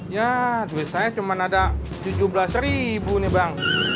ya duit saya cuma ada tujuh belas ribu nih bang